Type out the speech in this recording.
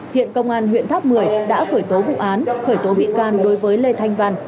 hiện công an huyện tháp một mươi đã khởi tố vụ án khởi tố bị can đối với lê thanh văn